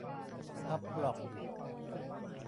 อัปบล็อก